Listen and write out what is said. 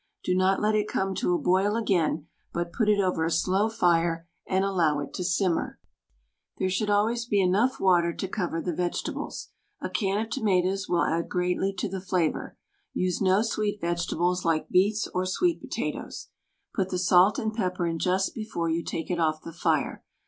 Do not let it come to a boil again, but put it over a slow fire and allow it to simmer. There should WRITTEN FOR MEN BY MEN always be enough water to cover the vegetables. A can of tomatoes will add greatly to the flavor. Use no sweet vegetables like beets or sweet potatoes. Put the salt and pepper in just before you take it off the fire.